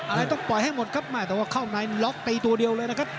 อะไรต้องปล่อยให้หมดครับไม่แต่ว่าเข้าในล็อกตีตัวเดียวเลยนะครับ